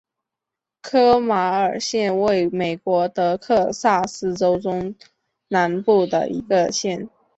科马尔县位美国德克萨斯州中南部的一个县。